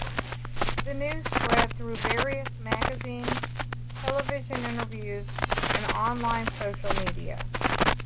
The news spread through various magazines, television interviews and online social media.